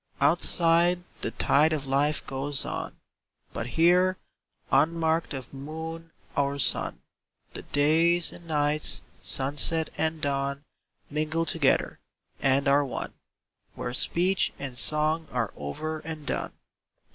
Outside the tide of life goes on, But here, unmarked of moon or sun, The days and nights— sunset and dawn Mingle together, and are one, Where speech and song are over and done.